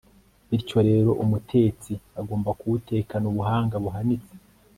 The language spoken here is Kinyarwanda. bityo rero umutetsi agomba kuwutekana ubuhanga buhanitse